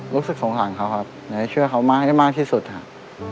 รู้สึกสงขังเขาครับเดี๋ยวให้ช่วยเขามาให้มากที่สุดครับ